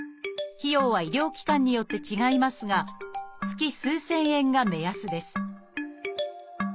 費用は医療機関によって違いますが月数千円が目安です